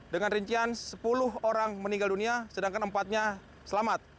dengan rincian sepuluh orang meninggal dunia sedangkan empatnya selamat